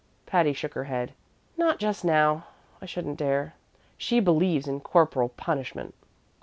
Patty shook her head. "Not just now I shouldn't dare. She believes in corporal punishment."